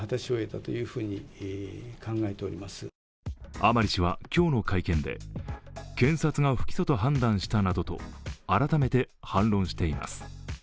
甘利氏は今日の会見で、検察が不起訴と判断したなどと改めて反論しています。